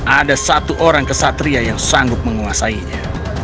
ada satu orang kesatria yang sanggup menguasainya